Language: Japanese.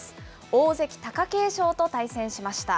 大関・貴景勝と対戦しました。